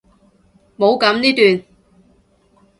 冇噉呢段！